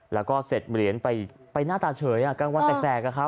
แล้วก็เสร็จเหรียญไปหน้าตาเฉยกลางวันแสก